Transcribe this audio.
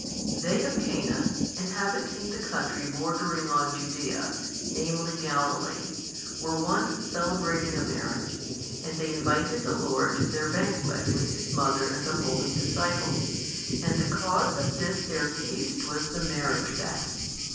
They of Cana, inhabiting the country bordering on Judea, namely Galilee, were once celebrating a marriage, and they invited the Lord to |531 their banquet with His Mother and the holy disciples, and the cause of this their feast was the marriage bed.